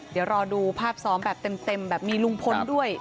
เดี๋ยวรอดูภาพซ้อมแบบเต็มแบบมีลุงพลด้วย